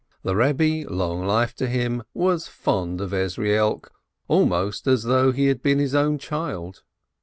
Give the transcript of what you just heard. The Rebbe, long life to him, was fond of Ezrielk, almost as though he had been his own child.